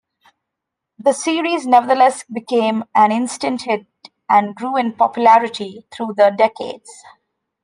The series nevertheless became an instant hit and grew in popularity through the decades.